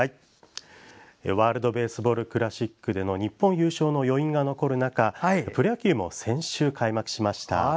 ワールド・ベースボール・クラシックでの日本優勝の余韻が残る中プロ野球も先週開幕しました。